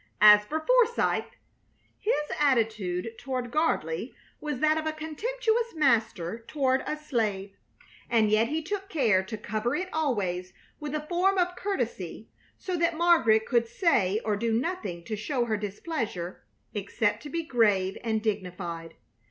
As for Forsythe, his attitude toward Gardley was that of a contemptuous master toward a slave, and yet he took care to cover it always with a form of courtesy, so that Margaret could say or do nothing to show her displeasure, except to be grave and dignified.